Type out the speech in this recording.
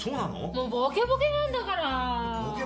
もうボケボケなんだから。